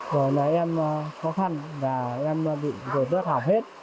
rồi nãy em khó khăn và em bị rượt rớt học hết